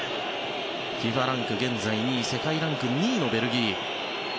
ランク現在２位世界ランク２位のベルギー。